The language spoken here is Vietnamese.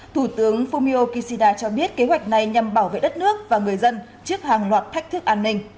thủ tướng fumio kishida cho biết kế hoạch này nhằm bảo vệ đất nước và người dân trước hàng loạt thách thức an ninh